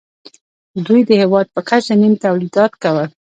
دوی د هېواد په کچه نیم تولیدات کول